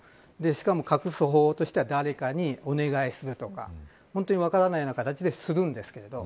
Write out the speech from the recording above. しかも、隠す方法としては誰かにお願いするとか本当に分からないような形でするんですけど。